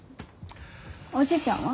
おじいちゃんは？